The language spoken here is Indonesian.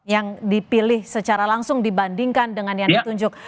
yang dipilih secara langsung dibandingkan dengan yang ditunjuk